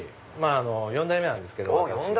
４代目なんですけど私が。